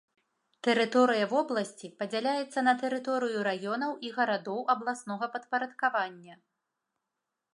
Тэрыторыя вобласці падзяляецца на тэрыторыю раёнаў і гарадоў абласнога падпарадкавання.